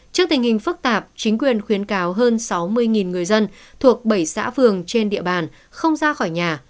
trước tình hình phức tạp chính quyền khuyến cáo hơn sáu mươi người dân thuộc bảy xã phường trên địa bàn không ra khỏi nhà